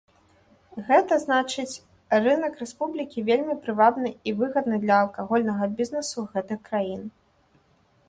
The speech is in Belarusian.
Гэта значыць рынак рэспублікі вельмі прывабны і выгадны для алкагольнага бізнесу гэтых краін.